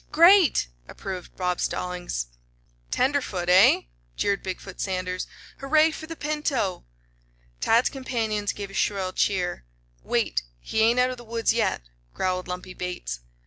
Great!" approved Bob Stallings. "Tenderfoot, eh?" jeered Big foot Sanders. "Hooray for the Pinto!" Tad's companions gave a shrill cheer. "Wait. He ain't out of the woods yet," growled Lumpy Bates.